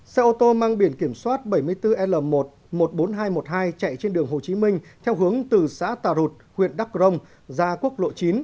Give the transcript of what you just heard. xe ô tô mang biển kiểm soát bảy mươi bốn l một một mươi bốn nghìn hai trăm một mươi hai chạy trên đường hồ chí minh theo hướng từ xã tà rụt huyện đắk rồng ra quốc lộ chín